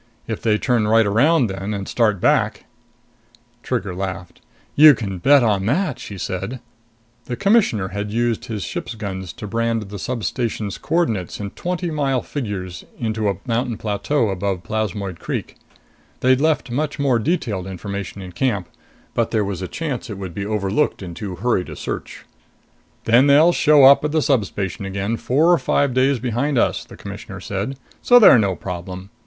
If they turn right around then, and start back " Trigger laughed. "You can bet on that!" she said. The Commissioner had used his ship's guns to brand the substation's coordinates in twenty mile figures into a mountain plateau above Plasmoid Creek. They'd left much more detailed information in camp, but there was a chance it would be overlooked in too hurried a search. "Then they'll show up at the substation again four or five days behind us," the Commissioner said. "So they're no problem.